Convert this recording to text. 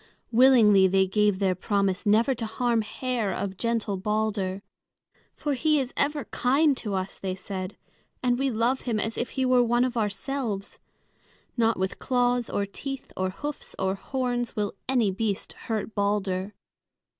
Willingly they gave their promise never to harm hair of gentle Balder. "For he is ever kind to us," they said, "and we love him as if he were one of ourselves. Not with claws or teeth or hoofs or horns will any beast hurt Balder."